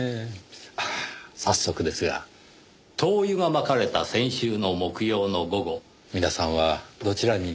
ああ早速ですが灯油が撒かれた先週の木曜の午後皆さんはどちらに？